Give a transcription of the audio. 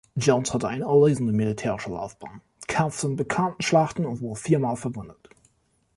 Jones hatte eine erlesene militärische Laufbahn, kämpfte in bekannten Schlachten und wurde viermal verwundet.